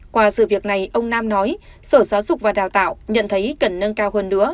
qua sự việc này ông nam nói sở giáo dục và đào tạo nhận thấy cần nâng cao hơn nữa